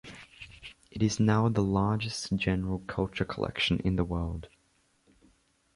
It is now the largest general culture collection in the world.